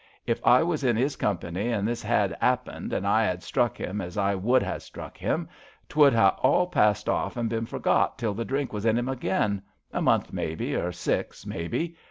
If I was in 'is Comp'ny, an' this 'ad 'appened, an' I 'ad struck 'im, as I would ha' struck him, 'twould ha 'all passed off an' bin forgot till the drink was in 'im again — a month, maybe, or six, maybe.